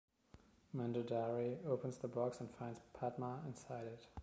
Mandodari opens the box and finds Padma inside it.